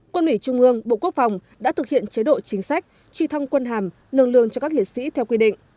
quân ủy trung ương bộ quốc phòng đã thực hiện chế độ chính sách truy thăng quân hàm nâng lương cho các liệt sĩ theo quy định